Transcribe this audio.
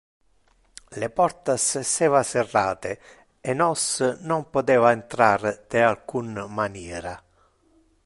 Le portas esseva serrate e nos non poteva entrar de alcun maniera.